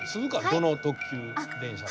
どの特急電車が？